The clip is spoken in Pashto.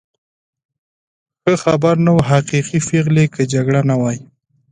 ښه خبر نه و، حقیقي پېغلې، که جګړه نه وای.